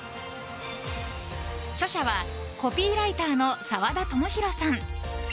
著者はコピーライターの澤田智洋さん。